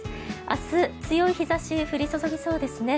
明日、強い日差しが降り注ぎそうですね。